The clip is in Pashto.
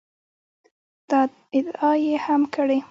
دا ادعا یې هم کړې